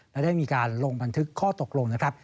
และได้มีการลงบันทึกข้อตกลงนะครับ